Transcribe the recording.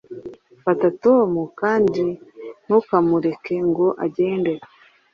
Fata Tom kandi ntukamureke ngo agende